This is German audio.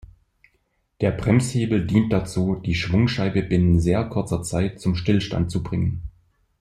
Der Bremshebel dient dazu, die Schwungscheibe binnen sehr kurzer Zeit zum Stillstand zu bringen.